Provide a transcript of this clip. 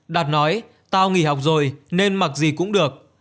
đạt nói ta nghỉ học rồi nên mặc gì cũng được